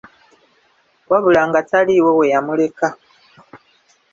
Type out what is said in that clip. Wabula nga taliiwo we yamuleka.